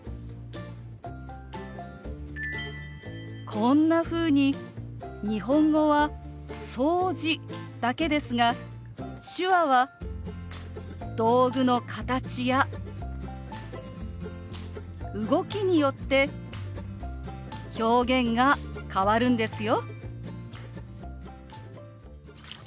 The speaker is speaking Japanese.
こんなふうに日本語は「掃除」だけですが手話は道具の形や動きによって表現が変わるんですよ。